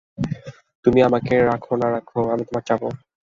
তুমি আমাকে রাখ না রাখ আমি তোমার চাকর।